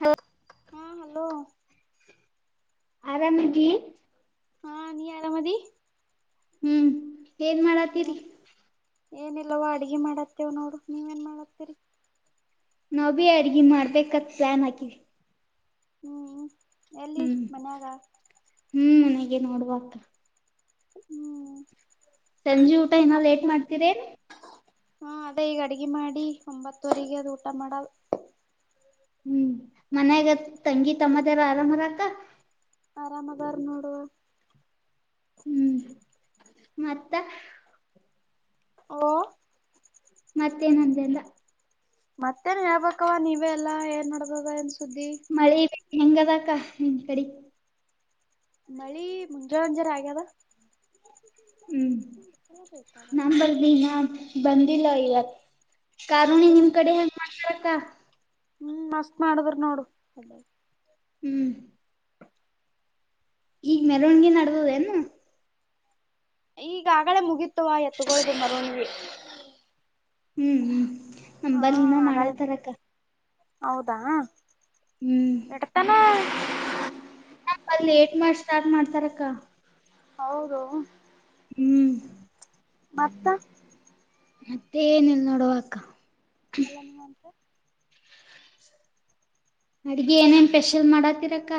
ಹಲ ಹಾ ಹಲೋ ಆರಾಮಾಗಿ ಹಾ ನೀ ಅರ ಮದ ಹ್ಮ್ ಏನ್ ಮಾಡತೀರಿ ಏನಿಲ್ಲವ ಅಡ್ಗೆ ಮಾಡತ್ತೇವ್ ನೋರು ನೀವ ನ್ ಮಾಡತರಿ ನಾವ ಭೀ ಅರ್ಗಿ ಮಾಡ್ಬೇಕತ್ ಸನ್ ಹಾಕಿ ಹ್ಮ್ ಎಲ್ಲಿ ಮನ್ಯಾಗ ಹಾಗೆ ನೋಡ್ಬ ಹ್ಮ್ ಸಂಜೆ ಊಟ ನಿಮ್ಮ ಇನ್ನ ಅಕ್ಕ ಲೇಟ್ ಮಾಡ್ತೀರೇ ಹಾ ಅದೇ ಈಗ ಅಡ್ಗೆ ಮಾಡಿ ಒಂಬತ್ತುವರಿಗೆ ಅದು ಊಟ ಮಾಡಲ್ ಹ್ಮ್ ಮನ್ಯಾಗ ತಂಗಿ ತಮ್ಮದಾರ ಆರಾಮರಕ್ಕ ಆರಾಮದಾರ್ ನೋಡುವ ಹ್ಮ್ ಮತ್ತ ಓ ಮತ್ತೇನಂದಲ್ಲ ಮತ್ತೇನ್ ಹೇಳ್ಬೇಕವ ನೀವೇ ಎಲ್ಲಾ ಏನ್ ನಡಬದ ಏನ್ ಸುದ್ದಿ ಹೆಂಗದಾಕ್ಕ ನಿನ್ ಕಡೆ ಮಳಿ ಮುಜ ಹಂಜರ ಆಗದ ಹ್ಮ್, ನಮ ಬರ್ದಿ ಇನ್ನ ಬಂದಿಲ್ಲ ಇಲ್ಲ, ಕಾರುಣ್ಣಿವಿ ನಿಮ್ ಕಡೆ ಹೆಂಗೆಮಾಡ್ತರಕ್ಕಾ. ಹ್ಮ್, ಮಸ್ತ್ ಮಾಡುದ್ರ ನೋಡು. ಹ್ಮ್, ಈಗ್ ಮೆರವಣಿಗಿ ನಡದದೇನು, ಈಗ ಆಗಲೇ ಮುಗಿತುವ ಎತ್ತುಗೋಳದ ಮೆ ರವಣಿಗೆ. ಹ್ಮ್, ಹ್ಮ್ ನಂಬಲ್ಲಿ ನ್ನ ಆಗಳೇ ಮಾಡಕತರಕ್ಕ. - ಹೌದಾ, ಹ್ಮ್ ಇಟ್ತಾನ!,, ಅಲ್ಲಿ ಲೇಟ್ ಮಾಡಿ ಸ್ಟಾರ್ಟ್ ಮಾಡ್ತಾರಕ್ಕ. ಹೌದು. ಹ್ಮ್, ಮತ್ತಾ,, ಮತ್ತೆ ಏನ್ಇಲ್ ನೋಡುವಕ್ಕ. ಅಲ್ಲ ನ ಅಂತ [unintelligible] ಅಡಿಗೆ ಏನೇನ್ ಸ್ಪೆಷಲ್ ಮಾಡಾತ್ತಿರಕ್ಕ.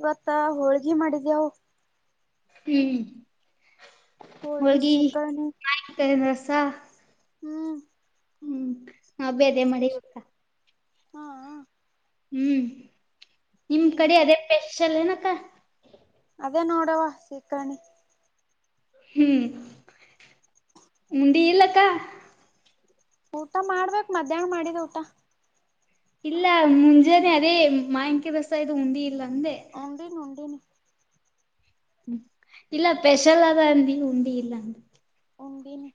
ಇವತ್ತ ಹೋಳ್ಗಿ ಮಾಡಿದ್ಯೇವು. ಹ್ಮ್, ಹೋಳ್ಗಿ ಆತಂ [unintelligible] ದ ರಸ ಹ್ಮ್, ಹಬ್ಬ ಎಲ್ಲಿ [unintelligible] ಬೇರೆ ಮಾಡಿ ಹಾ,, ಹ್ಮ್, ನಿಮ್ ಹ್ಮ್ ಕಡೆ ಹ್ಮ್ ಅದೇ ಸ್ಪೆಷಲ್ ಏನಕ್ಕಾ. ಅದೇ ನೋಡವ ಶೀಕರ್ಣಿ, ಹ್ಮ್, ಊಂಡಿ ಇಲ್ಲಕ್ಕಾ. ಊಟ ಮಾಡ್ಬೇಕ್ ಮಧ್ಯಾಹ್ನ ಮಾಡಿದ ಊಟ. ಇಲ್ಲ ಮುಂಜಾನೆ ಅದೇ ಮಾವಿನಕಾಯಿ ರಸ ಇದು ಉಂಡಿಇಲ್ಲಾತ., ಊಂಡಿನಿ, ಊಂಡಿನಿ ಹ್ಮ, ಇಲ್ಲ ಸ್ಪೆಷಲ್ ಅದ ಅಂದಿ ಊಂಡಿ ಇಲ್ಲ ಅಂದ. ಉಂದಿನ [inaudible]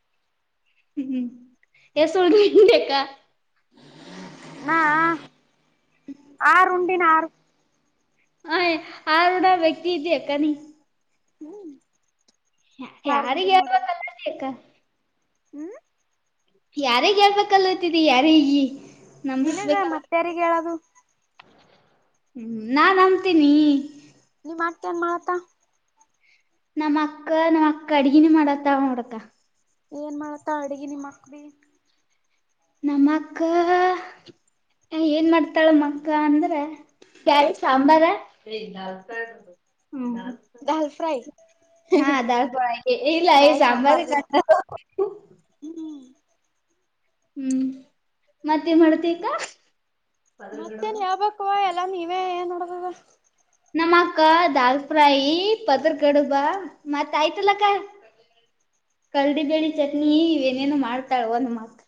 ಹ್ಮ್, ಎಸಕ್ಕ [unintelligible] ಹಾ, ಹಾ ಆರು ಉಂಡಿನ ಆರು ಹ ಆರುಡ ವ್ಯಕ್ತಿ ಇದ್ದ ಅಕ್ಕನ [unintelligible] ಹ್ಮ್ [inaudible] ಆರು ಉಂಡಿನ ಯಾರಿಗೆ ನೋಡುವ ಹಳ್ಬೇಕಲ್ಲಾಕ್ಕಾ, ಹ್ಮ್, ಯಾರಿಗಿ ಹೇಳ್ಬೇಕ ಅನತ್ತಿದಿ ಯಾರಗಿ, ನಿನಗ ಮತ್ತೆ ಯಾರಿಗಿ ಹೇಳದು. ಹ್ಮ, ನಾನ್ಂತೀನಿ,, ನಾಟನ್ ಮಾಡತ್ತಾ [inaudible] ನಮ್ಮ್ ಅಕ್ಕ- ನಮ್ಮ್ ಅಕ್ಕ ಅಡಗಿನಿ ಮಾಡತ್ತಳ ನೋಡಕ್ಕ. ಏನ್ ಮಾಡತ್ತಳ್ ಅಡ್ಗಿ ನಿಮ್ಮಕ್ಕ್ ಬಿ, ನಮ್ಮ ಅಕ್ಕ,,, ಏನ್ ಮಾಡ್ತಾಳ ನಮ್ಮ ಅಕ್ಕ ಅಂದ್ರ,, ಬ್ಯಾಳಿ ಸಾಂಬಾರ, ದಾಲ್ ಟ್ರಾಯ್, ಹಾದಾ ಇಲ್ಲ ಈ ಸಾಂಬಾರ್ [unintelligible] ಹ್ಮ್ ಹ್ಮ್ [inaudible] ಹ್ಮ್, ಮತ್ತೇನ ಮಾಡತಿಕ್ಕ. ಮತ್ತೇನ್ ಹೇಳ್ಬೇಕುವ ಎಲ್ಲ ನೀವೇ ಏನ್ ನೋಡುದಾದ. ನಮ್ಮ ಅಕ್ಕ ದಾಲ್ ಫ್ರಾಯಿ, ಪದರ್ ಗಡುಬಾ ಮತ್ತ ಆಯ್ತಲ್ಲಕ್ಕ. ಕಡ್ಲಿಬೇಳಿ ಚಟ್ನಿ, ಇ ಏನೇನು ಮಾಡ್ತಾಳ ಒಂದ ಮತ್,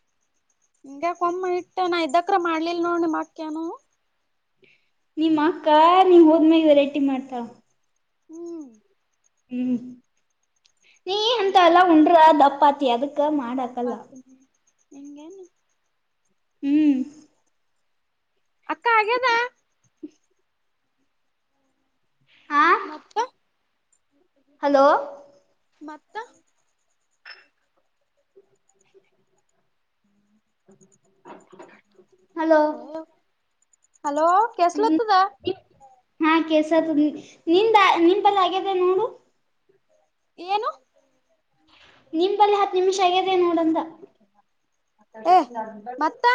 ಹಿಂಗ್ಯಾಕ ಕೊಮ್ಮೆ ಇಟ್ಟ ನಾ ಇದ್ದಕ ಮಾಡ್ಲಿಲ್ ನೋಡ್ ನಿಮ್ಮ ಅಕ್ಕ ಎನು. ನಿಮ್ಮ ಅಕ್ಕ ನೀವ್ ಹೋದ್ಮೇಾಗ ವೆರೈಟಿ ಮಾಡ್ತಾವ ಹ್ಮ್ ಹ್ಮ್ ನೀ ಅಂತ ನಡೀತು ಅಲ್ಲ ಉಂಡ್ರ ದಪಾತಿ ಆಗುತ್ತೆ ಗ ಮಾಡಾಕಲ್ಲ ಹಂಗೇನು ಹ್ಮ್ ಅಕ್ಕ ಹಾಗದ ಹಾ ಮತ್ತ ಹಲೋ ಮತ್ತ ಹಲೋ ಹಲೋ ಹ್ಮ್ ಕೆಸಲತದ ಹಾ ನಿಂದ ನಿಪೆಲ್ಲ ಆಗ್ಯಿದೆ ನೋಡು ಏನು ನಿಮಪಲ್ಲಿ ಹತ್ತು ನಿಮಿಷ ಆಗ್ಯದೆ ನೋಡಂತ ಏ ಮಲ್ಲ ಮತ್ತ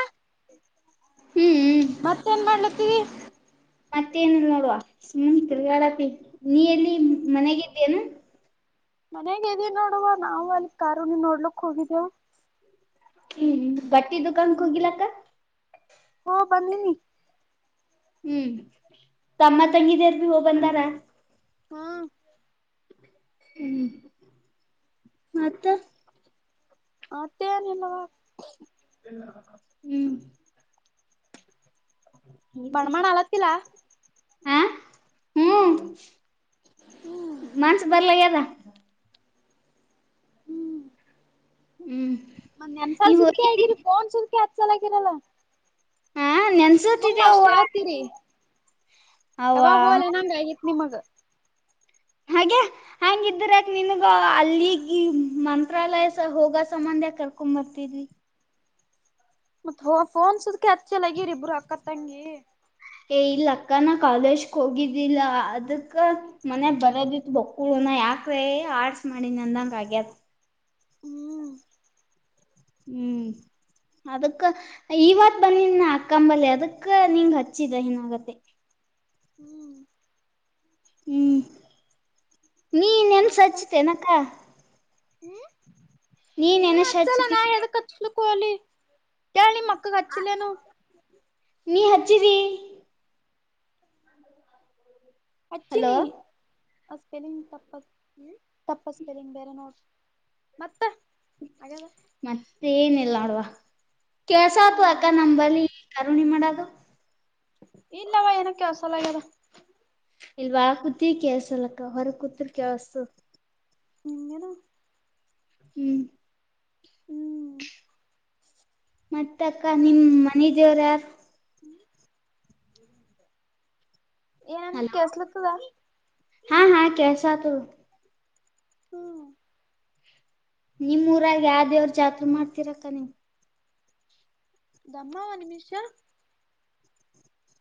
ಮತ್ತೇನ್ ಮಾಡ್ಲತ್ತೀರಿ ಮತ್ತೇನಿಲ್ಲ ನೋಡುವ ಸುಮ್ ತಿರ್ಗಾಡತಿ ನೀ ಎಲ್ಲಿ ಮನೆಗಿದ್ದೇನು ಮನಯಾಗ ಇದದಿ ನೋಡುವ ನಾವವು ಅಲ್ಲಿ ಕಾರುಣಿ ನೋಡ್ಲಕ್ ಹೋಗಿದ್ದೇವ ಹ್ಮ್ ಬಟ್ಟಿ ದುಕಾಕ್ ಹೋಗಿಿಲ್ಲಕ್ಕ ಹ ಪನ್ನಿ ನೀ ಹ್ಮ್ ತಮ್ಮ ತಂಗಿದಿಯಾರ್ ಭ ಹೋಗ ಬಂದಾರ ಹ್ಮ ಹ್ಮ್ ಮತ್ತ ಹ ತಾರಲ್ಲವಾ ಹ್ಮ್ ಬಣಮಣ ಆಲ ತಲ್ಲ ಹ ಹ್ಮ್ ಹ್ಮ್ ಮನ್ಸು ಬರ್ಲ ಯದ ಹ್ಮ್ ಒಂದ್ ಎನ್್ಸಲ್ ನೀವ್ ಸುದ್ಕೆ ಹೋಗಿದ್ದಿ ಆಗಿರಿ ಫೋನ್ ಸುುದ್ಕಿ ಹತ್್ ಸಲ್ ಆಗಿರಲ್ಲಾ ಹ ತುಂಬಾ ಅಷ್ಟ ನೆನ್ಸತಿದೆವ್ವ ಹೇಳ್ತೀರಿ ಅವ್ವ ಯಾವಾಗ ೋಲೆ ನಂಗ ಆಗಿತ್ ನಿಮಗ ಹಾಗೆ ಹಂಗಿದರಕ ನಿನಗ ಅಲ್ಲಿಗೆ ಮಂತ್ರಾಲಯ ಹೋಗ ಸಂಬಂಧ ಎ ಕರ್ಕೊಂಡ್ ಬರ್ತಿದ್ವಿ ಮತ್ತ್ ಫೋನ್ಸದಕ ಹಚ್ಚಲಗಿರಿಬ್ರು ಅಕ್ಕ ತಂಗಿ ಏ ಇಲ್ಲ ಅಕ್ಕನ ಕಾಲೇಜ್ಕ್ ಹೋಗಿದ್ದಿಲ್ಲ ಅದಕ್ಕ ಮನೆ ಬರೋದಿತ್ ಬಕ್ಕಳನ ಯಾಕ್ರೆ ಆರ್ಟ್ಸ್ ಮಾಡಿನ ಅಂದಂಗ ಆಗ್ಯತ್ ಹ್ಮ್ ಹ್ಮ್ ಅದಕ್ಕ ಇವತ್ ಬಂದಿ ಅಕ್ಕಂಬಲ್ಲಿ ಅದಕ್ಕ ನಿಂಗ್ ಹಚ್ಚಿದ ಏನಾಗತ್ತೆ ಹ ಹ್ಮ್ ಹ್ಮ್ ನೀ ನೆನ್ಸ ಮತ್ತ ಹಚ್ಿತೇನಕ್ಕ ಹ್ಮ್ ನೀವೇ ಎನಷ್ಟ ಹಚ್ಚಲ್ಲ ಹಚ್ಚತಿ ನಾ ಎ ಲಿ ಕಿ ಮಕ್ಕ ಕಚ್ಚಿಲ್ಲನು ನೀ ಹಚ್ಚಿರಿ ಹಲೋ ಅಚ್ಚಿನಿ ಸ್ಪೆಲಿಂಗ್ ತಪ್ಪ ತಪ್ಪ ಸ್ಪೆಲಿಂಗ್ ಬೇರೆ ನೋಡ್ ಮತ್ತೆ ಮತ್ತ ಏನಲ್ಲ ನೋಡ್ವಾ ಕೆಲ್ಸ ಆತ ಅಕ್ಕ ಹ್ಮ್ ನಂಬಂಬಳ ಕರುಣಿ ಮಾಡದು ಇಲ್ಲವಾ ಏನಕ್ಕೆಸಲಗದ ಇಲ್ ವಾರ ಕೂತ್ ಕಸಲಕ್ಕ ಹೊರ ಕೂತ್ರ್ ಕೇಳಸ ಇಂಗನ ಹ್ಮ್ ಹ್ಮ್ ಮತ್ತ ಅಕ್ಕ ನಿಮ್ಮ್ ಮನಿ ದೇವರ ಯಾರು ಏನಂದ ಹಲೋ ಕೆಳ್ಸಲತ್ತದ ಹಾ ಹಾ ಕೆಲ್ಸಾತದ ತ ಹ್ಮ್ ನಿಮ್ಮೂಊರಾಗಿ ಯಾವ ದೇವ್ರ ಜಾತ್ರೆ ಮಾಡ್ತಿರಕ್ಕ ನೀವು್ ದಮ್ಮ ಒಂದ್ ನಿಮಿಷಾ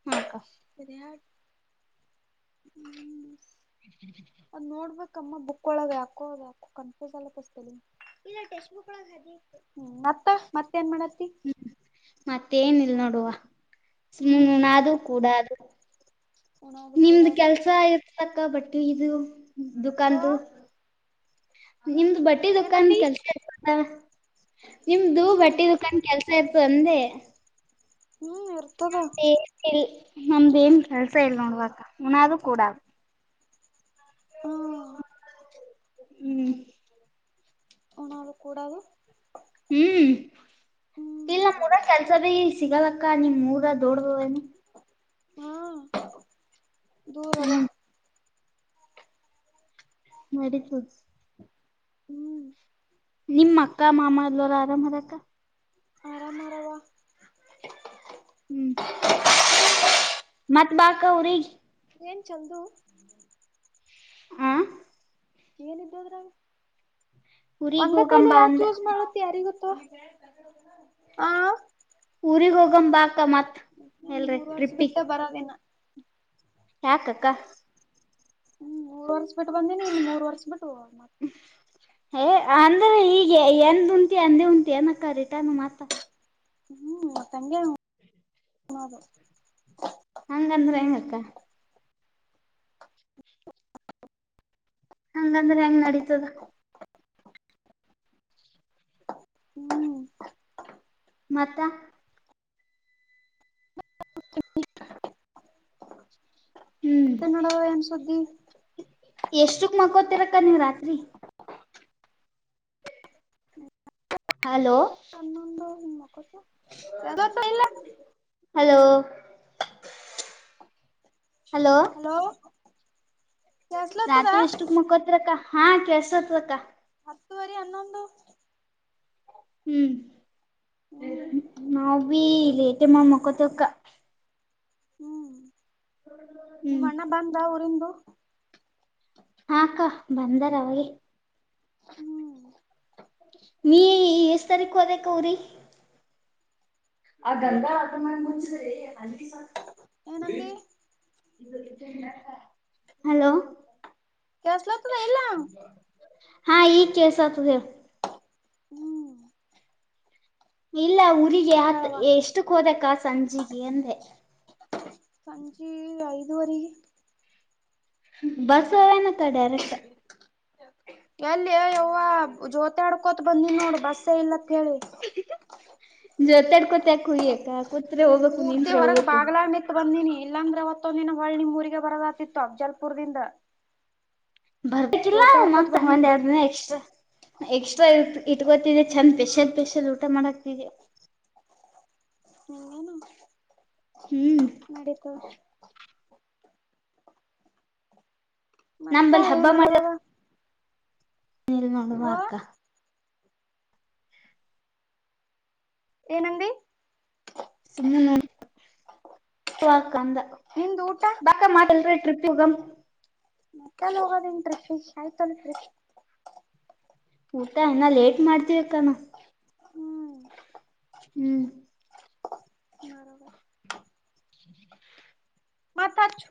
ಹಾಕ್ಕ ಸರಿಯ ಹ್ಮ [unintelligible] ಕಮ್ಮ ಬುಕ್ ಒಳ ಯಾಕೋ ಯಕೋ ಕನ್ಫ್ಯೂಸ್ ಅಲ್ಲಸ್ತ ಬಕ್ ಒ ಹ್ಮ್ ಮತ್ತ ಮತ್ತ ಹ್ಮ್ ಮತ್ತೇನ ಇಲ್ ನೋಡುವ ಹ್ಮ್ ಸುುಣದು ಕೂಡದು ಉಣದು ನಿಮ್ದ ಕೂಡದು ಕೆಲ್ಸ ಇತಕ್ಕ ಬಟ್ಟಿ ಇದು ಓ ದುಕಾನ್್ದ ನಿಮ್ದು ಬಟ್ಟೆ ದದುಕಾನ್ ಏನಂದಿ ಕೆಲ್ಸ ಆತದಾ ನಿಮ್ದು ಹ್ಮ್ ಬಟ್ಟಿ ದುಖಾನ್ ಕೆಲ್ಸ ಇತ್ತು ಅಂದೆ ಹ್ಮ್ ಇರ್ತದ ನಮ್ದನ್ ನಮ್ದೇಏನ್ ಕೆಲ್ಸ ಇಲ್ ನೋಡ್ಬ ಹುನಾದೂ ಕೂಡ ಹಾ ಹ್ಮ್ ಊನಾದು ಕೂಡದು ಹ್ಮ್ ಇಲ್ಲ ಹ್ಮ್ ನಮ್ಮ ರ ಕೆಲ್ಸ ಭೀ ಸಿಗಲಕ್ಕ ನಿಮ್ ಮೂರದ ಹ್ಮ್ ದೂರ ಅದ ಹ್ಮ್ ನಡಿತುದ ತು ಹ್ಮ್ ನಿಮ್ಮ ಅಕ್ಕ ಮಾಮ ಎಲ್ಲರು ಆರಾಮ್ ಅದಕ್ಕ ಆರಾಮರಾವ ಹ್ಮ್ ಮತ್ ಬಾ ಅಕ್ಕ ಉರಿಗ್ ಏನ್ ಚಂದು ಆ ಏನಿದ್ದದ್ರ ಊರಿಗ್ ಒಂದೇ ಕೈಲಿ ಹೋಗಂಬಾ ಯಾಕೆ ಅಂದ ಯೂಸ್ ಮಾಡತ್ತೆ ಯಾರಿಗೊತ್ತ ಹಾ ಊರಿಗ್ ಹೋಗಂಬ ಬಾಕ ಮತ್ತ್ ಎಲ್ರಿ ಮೂರ್ ವರ್ಷ ಟ್ರಿಪ್ಪಿ ಬಿಟ್ಟ ಬರೋದೇನ ಯಾಕಕ್ಕ ಹ್ಮ್ ಮೂರ್ ವರ್ಷ ಬಿಟ್ಟ ಬಂದಿನಿ ನೀ ಮೂರ್ ವರ್ಷ ಬಿಟ್ಟು ಮತ್ತ ಹ್ಮ ಏ ಅಂದ್ರೆ ಈಗ ಎಂದ್ ಉಂಟಿ ಅಂದೇ ಉಂಟಿ ಏನಕ್ಕ ರಿಟನ್ ಮಾತ ಹ್ಮ್ ಮತ್ತ ಹಂಗೆ ಕ್ಕ್ ಹ [inaudible] ಹಂಗಂದ್ರೆ ಹೆಂಗ ನದಿತುದ ಹ್ಮ್ ಮತ ಹ್ಮ್ ಮತ್ತೆ ನೋಡವ ಏನ್ ಸುದ್ದಿ ಎಷ್ಟಕ್ ಮಕ್ಕೋತಿರಕ್ಕ ನೀವ್ ರಾತ್ರಿ ಹಲೋ ಹಮ ಹಲೋ ಹಲೋ ಕೆಲ್ಸಲತ್ತದ ರಾತ್ರಿ ಎಷ್ಟುಕ್ ಮೋಖತ್ಕ್ಕ ಹಾ ಕೆಲ್ಸೋತ್ಕ್ಕ ಹತ್ತುುವರಿ ಹನ್ನೊಂದು ಹ್ಮ್ ಹ್ಮ್ [unintelligible] ನೀ ಟಮ್ಮ ಮಕ್ಕತಿಕ್ಕ [unintelligible] ಹ್ಮ್ ನಿಮ್ಮ ಹ್ಮ್ ಅಣ್ಣ ಬಂದ ಊರಿಂದು ಹಾ ಅಕ್ಕ ಬಂದಾರ ಅವಾಗೆ ಹ್ಮ್ ನೀ ಎಷ್ಟ್ ತಾರೀಕು ಅದೇಕ ಅವ್ರಿ ಆ ಗಂಧ ಆಗಮ ಮುಂಚರಿ [unintelligible] ಏನಂದಿ [unintelligible] ಹಲೋ ಕಸಲ [unintelligible] ಹಾ ಈ ಕೇಳಿಸುತ್ತದೆ [unintelligible] ಹ್ಮ್ [inaudible] ಇಲ್ಲ ಊರಿಗೆ ಹತ್ ಹೇಳವಾ ಎಷ್ಟಕ್ ಹೋದಕ್ಕ ಸಂಜಿಗೆ ಅಂದೆ ಸಂಜಿ [unintelligible] ವರೆ ಬಸ್ [unintelligible] ನತ್ತ ಡೈರೆಕ್ಟ್ ಎಲ್ಲಿ ಯವ್ವ ಜ್ಯೋತ ಆಡ್ಕೋತ ಬಂದನ್ ನೋಡು ಬಸ್ಸ ಇಲ್ಲ [unintelligible] ಜೊತೆಡ್ ಕೋತಾಕ ಹ್ಯಕ ಕೂತ್ರೆೆ ಹೋಗ್ಬೇಕು ಪೂರ್ತಿ ನಿಂತ್ರೇ ಹೊರಗ್ ಹೋಗ್ಬೇಕು ಬಾಗ್ಲಾಗ ನಿತ್ ಬಂದಿನಿ ಇಲ್ಲಾಂದ್ರೆ ಒತ್ತೊಂದ ದಿನ ಹೊ ನಿಮಮ್ಮ ಊರಿಗೆ ಬರೋದ ಆತಿತ್ತು ಜಲ್ಪೂರ್ದಿಂದ ಬರ್ಬೇಕಿಲ್ಲ ಮತ ಒಂದ್ ಬಂದೀನಿ ಎರಡು ದಿನ ಎಕ್ಸ್ಟ್ರಾ ಎಕ್ಸ್ಟ್ರಾ ಇ ಇಟ್ಕೋತಿ ಚೆಂದ ಹ್ಮ್ ಸ್ಪೆಷಲ್ ಸ್ಪೆಷಲ್ ಊಟ ಮಾಡಕ್ತಿದೆ ನಿನಗೆ ಹ್ಮ್ [unintelligible] ನಡಿತದೆ ಮತ್ತ ನಮ್ಮಲ್ ಹಬ್ಬ ಏನ್ ಮಾಡ ನಡದದ [unintelligible] ನೀ ನೋಡು ಓ ಅಕ್ಕ ಏನಂದೀ ಸುಮ್ಮ [unintelligible] ಬಾಕ ನಿಂದ್ ಊಟ [unintelligible] ಮಾತಲ್ ಟ್ರಿಪ್ [unintelligible] [unintelligible] ಮಕಲ್ಲ ಹೋಗೋದನ್ [unintelligible] ಆಯ್ತಲ್ಲ ಟ್ರಿಫ [unintelligible] ಊಟ ಇನ್ನ ಲೇಟ್ ಮಾಡ್ತವಿಕ್ಕಾನ ಹ್ಮ್ [unintelligible] [inaudible] ಮತ್ತೆ ಅಚ್ಚು